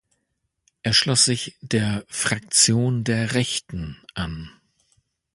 Er schloss sich der "Fraktion der Rechten" an.